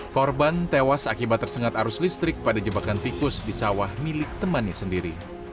korban tewas akibat tersengat arus listrik pada jebakan tikus di sawah milik temannya sendiri